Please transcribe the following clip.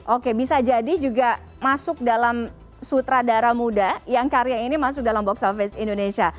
oke bisa jadi juga masuk dalam sutradara muda yang karya ini masuk dalam box office indonesia